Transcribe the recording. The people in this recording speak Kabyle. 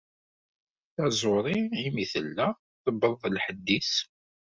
Taẓuri imir tella tewweḍ lḥedd-is.